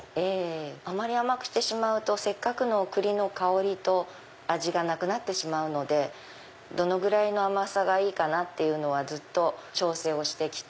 あまり甘くしてしまうとせっかくの栗の香りと味がなくなってしまうのでどのぐらいの甘さがいいかなってずっと調整をしてきて。